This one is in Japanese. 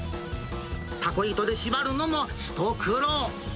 たこ糸で縛るのも一苦労。